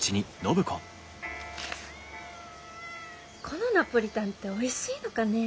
このナポリタンっておいしいのかねぇ。